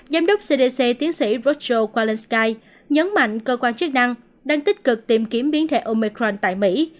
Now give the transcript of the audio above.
giám đốc cdc tiến sĩ rochelle kalinskei nhấn mạnh cơ quan chức năng đang tích cực tìm kiếm biến thể omicron tại mỹ